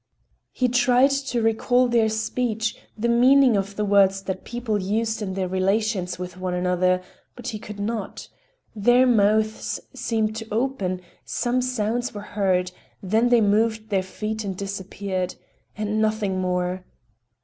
He tried to recall their speech, the meaning of the words that people used in their relations with one another—but he could not. Their mouths seemed to open, some sounds were heard; then they moved their feet and disappeared. And nothing more.